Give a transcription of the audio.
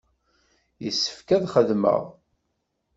Yessefk ad xedmeɣ.